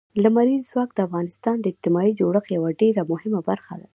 لمریز ځواک د افغانستان د اجتماعي جوړښت یوه ډېره مهمه برخه ده.